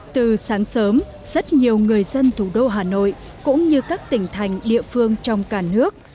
từ sáng sớm rất nhiều người dân thủ đô hà nội cũng như các tỉnh thành địa phương trong cả nước